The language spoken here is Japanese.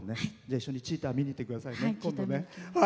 一緒にチーター見に行ってくださいね。